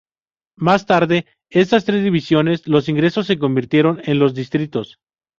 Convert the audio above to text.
Más tarde, estas tres divisiones los ingresos se convirtieron en los distritos.